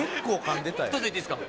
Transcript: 一つ言っていいですか？